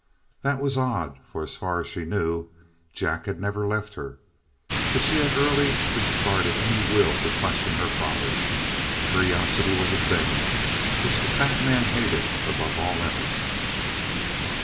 That was odd, for, as far as she knew, Jack had never left her. But she had early discarded any will to question her father. Curiosity was a thing which the fat man hated above all else.